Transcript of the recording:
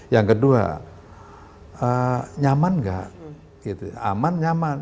yang kedua nyaman nggak aman nyaman